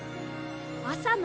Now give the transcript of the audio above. あさの